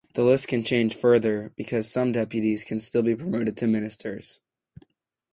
The list can change further, because some deputies can still be promoted to ministers.